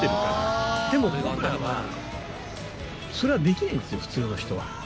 でも僕らはそれはできないんですよ普通の人は。